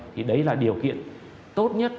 thì đấy là điều kiện tốt nhất